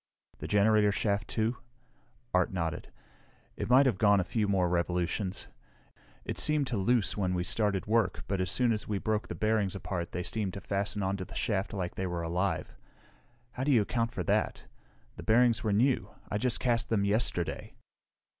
"The generator shaft, too?" Art nodded. "It might have gone a few more revolutions. It seemed loose when we started work, but as soon as we broke the bearings apart they seemed to fasten onto the shaft like they were alive. How do you account for that? The bearings were new; I just cast them yesterday."